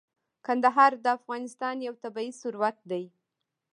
کندهار د افغانستان یو طبعي ثروت دی.